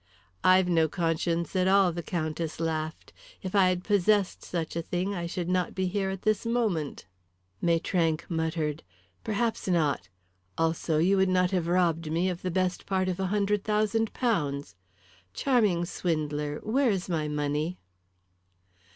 "I've no conscience at all," the Countess laughed. "If I had possessed such a thing I should not be here at this moment." Maitrank muttered. "Perhaps not. Also you would not have robbed me of the best part of £100,000. Charming swindler, where is my money?"